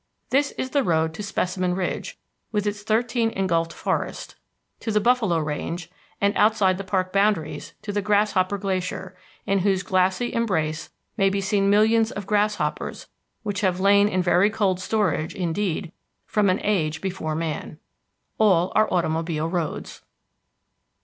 This is the road to Specimen Ridge with its thirteen engulfed forests, to the buffalo range, and, outside the park boundaries, to the Grasshopper Glacier, in whose glassy embrace may be seen millions of grasshoppers which have lain in very cold storage indeed from an age before man. All are automobile roads.